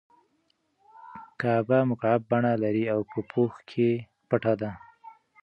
کعبه مکعب بڼه لري او په پوښ کې پټه ده.